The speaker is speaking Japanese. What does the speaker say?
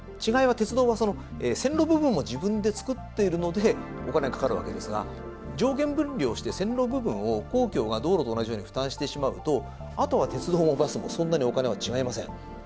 違いは鉄道は線路部分も自分でつくっているのでお金がかかるわけですが上下分離をして線路部分を公共が道路と同じように負担してしまうとあとは鉄道もバスもそんなにお金は違いません。